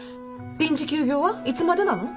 臨時休業はいつまでなの？